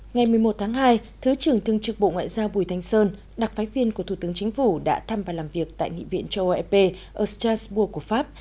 ngày một mươi một tháng hai thứ trưởng thương trực bộ ngoại giao bùi thanh sơn đặc phái viên của thủ tướng chính phủ đã thăm và làm việc tại nghị viện châu âu ep ở strasburg của pháp